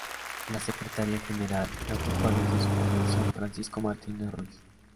La Secretaría General la ocupa desde su fundación Francisco Martínez Ruíz.